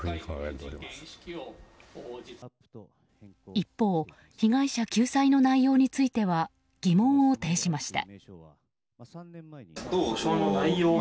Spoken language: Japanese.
一方、被害者救済の内容については疑問を呈しました。